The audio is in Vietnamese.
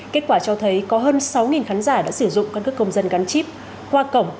kết quả cho thấy có hơn sáu khán giả đã sử dụng căn cức công dân gắn chip qua cổng